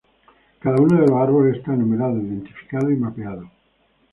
Cada uno de los árboles está numerado, identificado y mapeado.